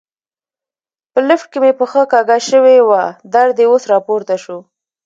په لفټ کې مې پښه کږه شوې وه، درد یې اوس را پورته شو.